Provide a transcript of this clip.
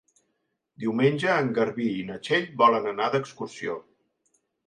Diumenge en Garbí i na Txell volen anar d'excursió.